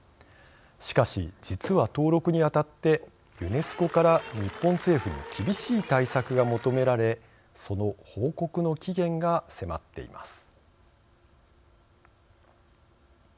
しかし、実は登録にあたってユネスコから日本政府に厳しい対策が求められその報告の期限が迫っています。